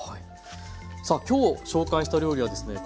さあ今日紹介した料理はですね